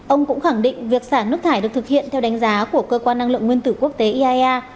ông cũng khẳng định việc xả nước thải được thực hiện theo đánh giá của cơ quan năng lượng nguyên tử quốc tế iaea